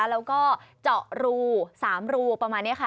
แล้วก็เจาะรู๓รูประมาณนี้ค่ะ